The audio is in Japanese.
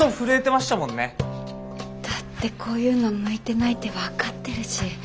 だってこういうの向いてないって分かってるし。